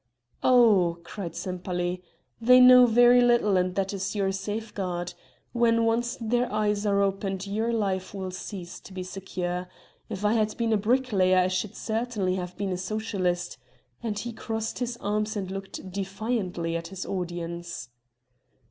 "Oh!" cried Sempaly, "they know very little and that is your safeguard. When once their eyes are opened your life will cease to be secure. If I had been a bricklayer I should certainly have been a socialist," and he crossed his arms and looked defiantly at his audience.